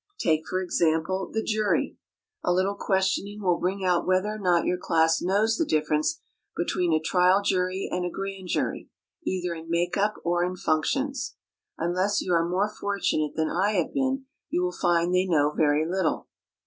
Take, for example, the jury. A little questioning will bring out whether or not your class knows the difference between a trial jury and a grand jury, either in make up or in functions. Unless you are more fortunate than I have been, you will find they know very little.